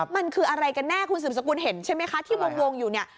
มันคืออะไรกันแน่คุณสืบสกุลเห็นใช่ไหมคะที่วงอยู่เนี่ย